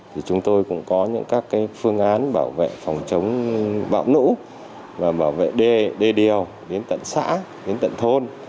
thì chúng tôi cũng có những các cái phương án bảo vệ phòng chống bão nũ và bảo vệ đê điều đến tận xã đến tận thôn